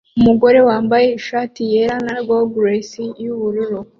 Umugore wambaye ishati yera na goggles yubururu